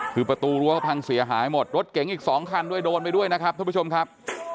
คือประตูรั้วเขาพังเสียหายหมดรถเก๋งอีก๒คันด้วยโดนไปด้วยนะครับท่านผู้ชมครับ